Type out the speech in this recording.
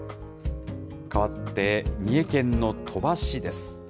かわって三重県の鳥羽市です。